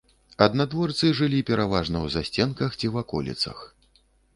Аднадворцы жылі пераважна ў засценках ці ваколіцах.